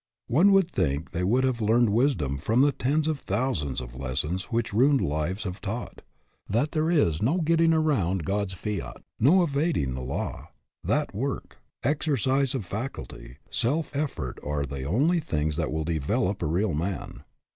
One would think they would have learned wis dom from the tens of thousands of lessons which ruined lives have taught ; that there is no getting around God's fiat, no evading the law, that work, exercise of faculty, self effort are the only things that will develop a real man.